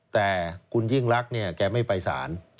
แต่คุณยิ่งลักษณ์แกไม่ไปสาร